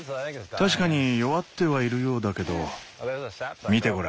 確かに弱ってはいるようだけど見てごらん。